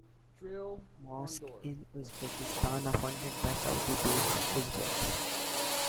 Mosques in Uzbekistan are funded by Saudi-based Uzbeks.